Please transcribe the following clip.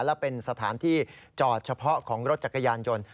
และเป็นสถานที่จอดเฉพาะของรถจักรยานยนต์